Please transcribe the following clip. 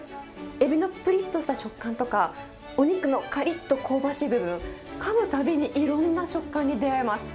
エビのぷりっとした食感とか、お肉のかりっと香ばしい部分、かむたびにいろんな食感に出会えます。